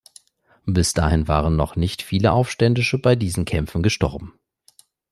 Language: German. Bis dahin waren noch nicht viele Aufständische bei diesen Kämpfen gestorben.